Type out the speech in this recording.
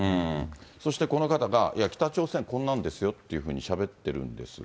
そしてこの方が、いや北朝鮮こんなんですよというふうにしゃべってるんですが。